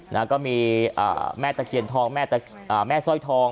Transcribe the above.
นะฮะก็มีอ่าแม่ตะเขียนทองแม่ตะอ่าแม่สร้อยทอง